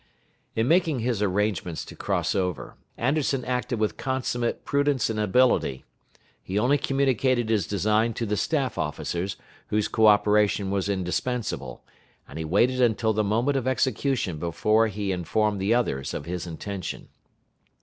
In making his arrangements to cross over, Anderson acted with consummate prudence and ability. He only communicated his design to the staff officers, whose co operation was indispensable, and he waited until the moment of execution before he informed the others of his intention.